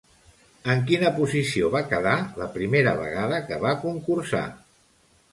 En quina posició va quedar la primera vegada que va concursar?